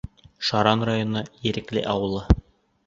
Шаран районы, Ерекле ауылы.